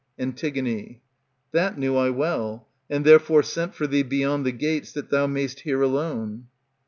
Antig. That knew I well, and therefore sent for thee Beyond the gates, that thou may'st hear alone.